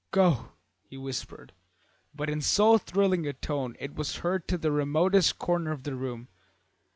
"Go!" he whispered, but in so thrilling a tone it was heard to the remotest corner of the room.